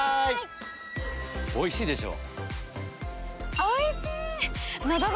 おいしいでしょ？